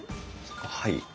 はい。